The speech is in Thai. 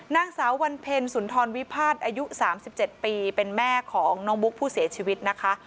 นางสาววันเพ็ญสุนทรวิพาทอายุ๓๗ปีเป็นแม่ของน้องบุ๊กผู้เสียชีวิตนะคะ